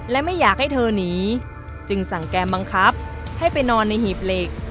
และไม่อยากให้เธอหนีจึงสั่งแก้มบังคับให้ไปนอนในหีบเหล็ก